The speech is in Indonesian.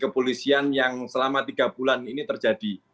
kepolisian yang selama tiga bulan ini terjadi